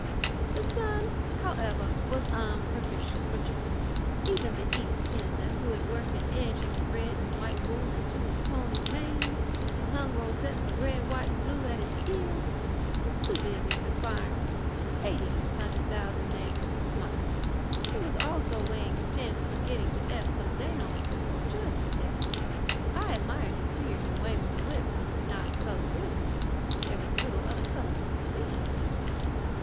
The sun, however, was unpropitious for jokes. Even the East Ender, who had worked an edging of red and white wool into his pony's mane and hung rosettes of red, white, and blue at its ears, was too busy perspiring and hating his hundred thousand neighbours to smile. He was also busy weighing his chances of getting to Epsom Downs before Judgment Day. I admired his spirit in waving a whip with a knot of coloured ribbons. There was little other colour to be seen.